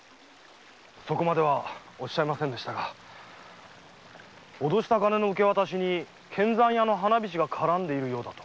そこまでは言いませんでしたが脅した金の受け渡しに献残屋花菱が絡んでいるようだと。